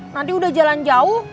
nanti udah jalan jauh